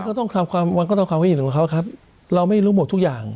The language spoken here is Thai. มันก็ต้องทำความให้เห็นของเขาว่าครับเราไม่รู้หมดทุกอย่าง